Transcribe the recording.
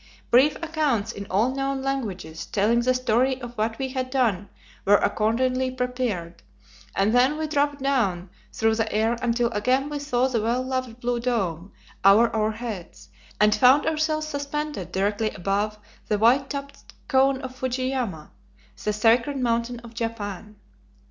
Brief accounts in all known languages, telling the story of what we had done were accordingly prepared, and then we dropped down through the air until again we saw the well loved blue dome over our heads, and found ourselves suspended directly above the white topped cone of Fujiyama, the sacred mountain of Japan.